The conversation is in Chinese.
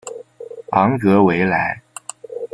昂格维莱。